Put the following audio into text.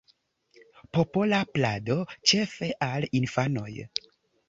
Popola plado, ĉefe al infanoj.